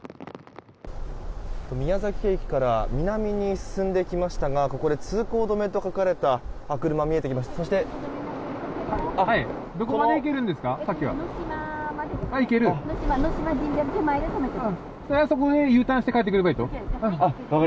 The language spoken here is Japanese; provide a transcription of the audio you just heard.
宮崎駅から南に進んできましたがここで通行止めと書かれた車が見えてきました。